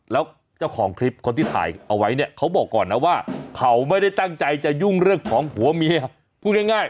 แล้วเจ้าของคลิปคนที่ถ่ายเอาไว้เนี่ย